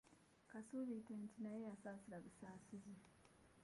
Ka nsuubite nti naye yansaasira busaasizi.